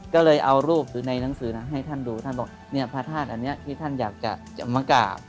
ก็เลยเอารูปในหนังสือให้ท่านดูท่านบอกพระธาตุอันนี้ท่านอยากจะมากราบ